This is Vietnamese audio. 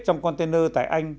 trong container tại anh